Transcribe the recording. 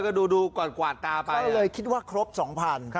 ก็ดูกว่ากวาดตาไปก็เลยคิดว่าครบ๒๐๐๐บาท